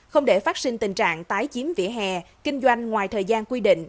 không để phát sinh tình trạng tái chiếm vỉa hè kinh doanh ngoài thời gian quy định